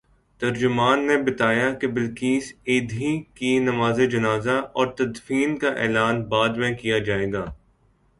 ترجمان نے بتایا کہ بلقیس ایدھی کی نمازجنازہ اورتدفین کا اعلان بعد میں کیا جائے گا۔